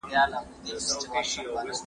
تخلیقي ادب د ادیب کار دی.